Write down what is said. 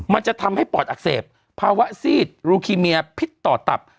มันจะทำให้ปอดอักเสบภาวะซีดรูคีเมียพิษต่อตับ